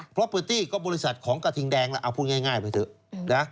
ปรอปเตอร์ตี้ก็บริษัทของกระทิงแดงเอาพูดง่ายไปเถอะ